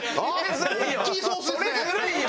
それずるいよ。